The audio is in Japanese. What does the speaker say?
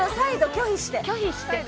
拒否して。